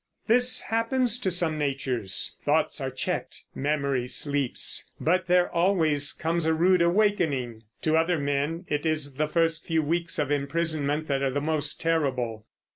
This happens to some natures. Thoughts are checked, memory sleeps, but there always comes a rude awakening. To other men it is the first few weeks of imprisonment that are the most terrible.